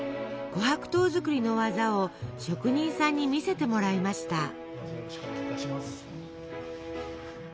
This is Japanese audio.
琥珀糖作りの技を職人さんに見せてもらいました。